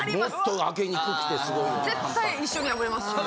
絶対一緒に破れますよね。